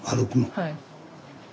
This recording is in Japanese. はい。